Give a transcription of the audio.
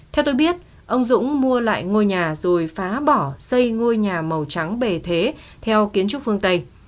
theo tôi biết ông dũng mua lại ngôi nhà rồi phá bỏ xây ngôi nhà màu trắng bề thế theo kiến trúc phương tây